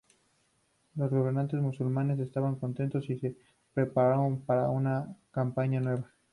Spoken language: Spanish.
Los gobernantes musulmanes estaban contentos y se prepararon para una campaña nueva.